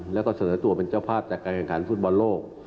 แล้วก็เสนอตัวเป็นเจ้าภาพจากการแข่งขันฟุตบอลโลก